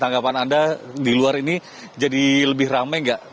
tanggapan anda di luar ini jadi lebih rame nggak